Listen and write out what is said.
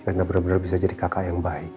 rena bener bener bisa jadi kakak yang baik